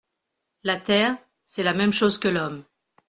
La terre, c'est la même chose que l'homme.